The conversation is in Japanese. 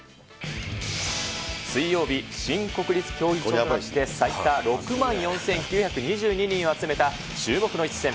水曜日、新国立競技場で最多６万４９２２人を集めた注目の一戦。